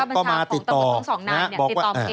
เขามาติดต่อบอกว่า